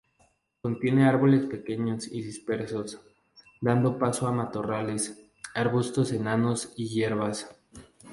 Contiene árboles pequeños y dispersos, dando paso a matorrales, arbustos enanos y hierbas.